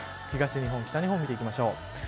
東日本、北日本を見ていきましょう。